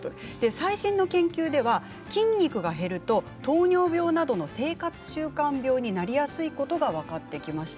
最新の研究では筋肉が減ると糖尿病などの生活習慣病になりやすいことが分かってきました。